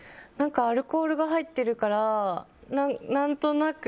アルコールが入ってるから何となく。